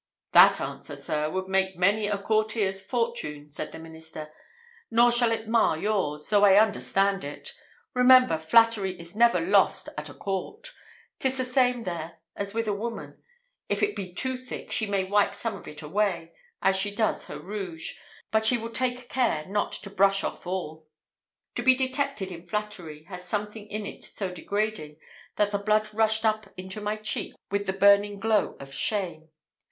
"That answer, sir, would make many a courtier's fortune," said the minister; "nor shall it mar yours, though I understand it. Remember, flattery is never lost at a court! 'Tis the same there as with a woman. If it be too thick, she may wipe some of it away, as she does her rouge; but she will take care not to brush off all!" To be detected in flattery has something in it so degrading, that the blood rushed up into my cheek with the burning glow of shame.